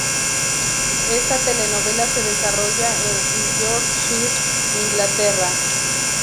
Esta telenovela se desarrolla en Yorkshire, Inglaterra.